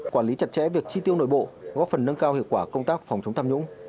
quản lý chặt chẽ việc chi tiêu nội bộ góp phần nâng cao hiệu quả công tác phòng chống tham nhũng